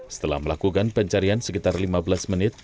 setelah melakukan pencarian sekitar lima belas menit